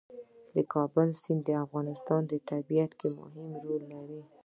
د کابل سیند د افغانستان په طبیعت کې مهم رول لري.